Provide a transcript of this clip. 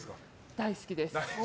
大好きです。